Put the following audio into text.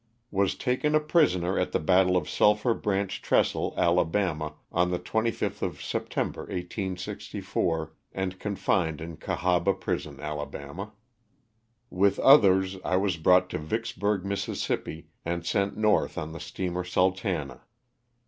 Was taken a prisoner at the battle of Sulphur Branch Trestle, Ala., on the 25th of September, 1864, and confined in Cahaba prison, Ala. With others I was brought to Vicksburg, Miss., and sent north on the steamer '^Sultana."